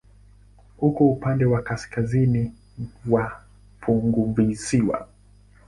Uko upande wa kaskazini wa funguvisiwa.